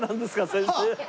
先生。